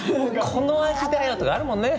この味だよとかあるもんね。